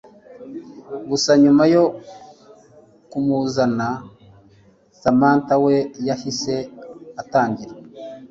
gusa nyuma yo kumuzana Samantha we yahise atangira